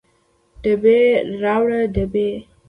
ډبې راوړه ډبې